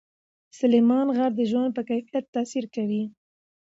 سلیمان غر د ژوند په کیفیت تاثیر کوي.